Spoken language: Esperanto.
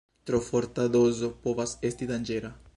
Tro forta dozo povas esti danĝera.